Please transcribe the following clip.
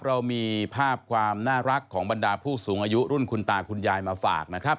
เรามีภาพความน่ารักของบรรดาผู้สูงอายุรุ่นคุณตาคุณยายมาฝากนะครับ